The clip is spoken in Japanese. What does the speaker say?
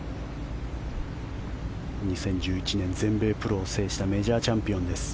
２０１１年全米プロを制したメジャーチャンピオンです。